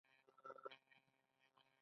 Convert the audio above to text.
دروغ ویل څه زیان لري؟